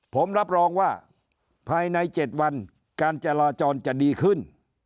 ผมรับรองว่าภายใน๗วันการจราจรจะดีขึ้น